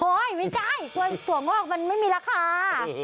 ไม่ใช่ถั่วงอกมันไม่มีราคา